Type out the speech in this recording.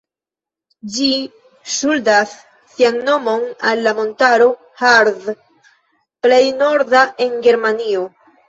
Ĝi ŝuldas sian nomon al la montaro "Harz", plej norda en Germanio.